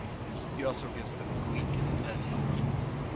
He also gives them Gleek as a pet.